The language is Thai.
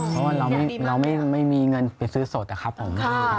เพราะว่าเราไม่มีเงินไปซื้อสดนะครับผม